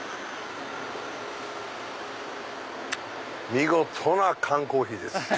見事な缶コーヒーです。